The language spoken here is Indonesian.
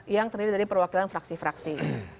yang terdiri dari perwakilan fraksi fraksi